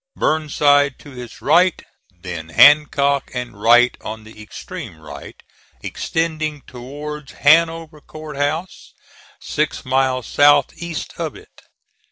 Burnside to his right, then Hancock, and Wright on the extreme right, extending towards Hanover Court House, six miles south east of it.